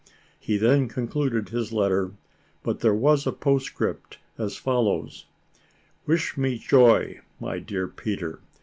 He then concluded his letter; but there was a postscript as follows: "Wish me joy, my dear Peter.